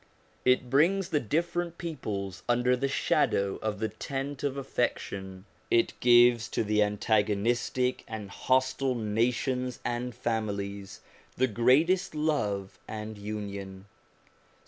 It brings the different peoples under the shadow of the tent of affection; it gives to the antagonistic and hostile nations and families the greatest love and union.